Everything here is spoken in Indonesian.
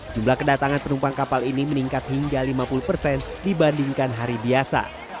jumlah kedatangan penumpang kapal ini meningkat hingga lima puluh persen dibandingkan hari biasa